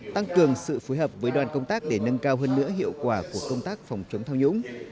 tăng cường sự phối hợp với đoàn công tác để nâng cao hơn nữa hiệu quả của công tác phòng chống tham nhũng